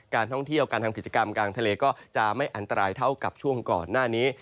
ท่องเที่ยวการทำกิจกรรมกลางทะเลก็จะไม่อันตรายเท่ากับช่วงก่อนหน้านี้